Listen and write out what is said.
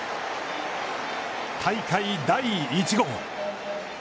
大会第１号。